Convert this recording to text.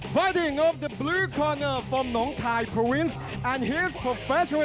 ภารกิจของบลูคอร์เนอร์จากประวัติศาสตร์ไทย